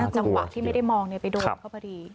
จังหวะที่ไม่ได้มองไปโดนเขาพอดี